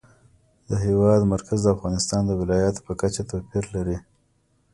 د هېواد مرکز د افغانستان د ولایاتو په کچه توپیر لري.